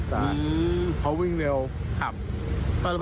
ทางตรงเลยครับ